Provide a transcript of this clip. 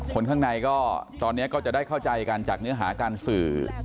คนข้างในก็ตอนนี้ก็จะได้เข้าใจกันจากเนื้อหาการสื่อ